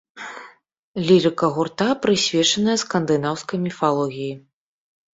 Лірыка гурта прысвечаная скандынаўскай міфалогіі.